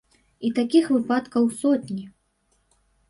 І такіх выпадкаў сотні.